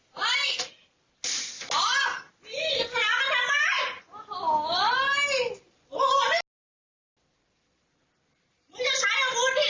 พี่ยุทธ์พี่ยุทธ์